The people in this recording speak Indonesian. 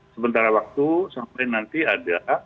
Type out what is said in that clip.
sementara waktu sampai nanti ada